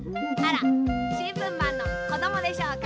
しんぶんマンのこどもでしょうか。